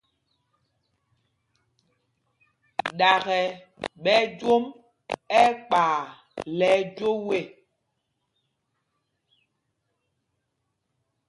Ɗaka!ɓɛ jwom ɛkpay lɛ ɛjwoo ê.